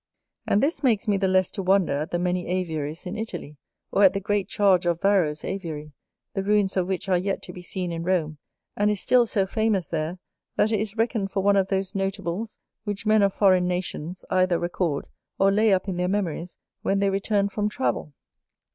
And this makes me the less to wonder at the many Aviaries in Italy, or at the great charge of Varro's Aviary, the ruins of which are yet to be seen in Rome, and is still so famous there, that it is reckoned for one of those notables which men of foreign nations either record, or lay up in their memories when they return from travel.